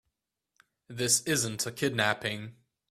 This isn't a kidnapping.